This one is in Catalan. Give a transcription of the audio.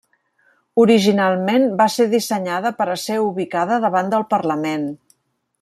Originalment va ser dissenyada per a ser ubicada davant del Parlament.